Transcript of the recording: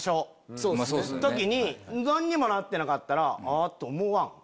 その時に何もなってなかったらあぁと思わん？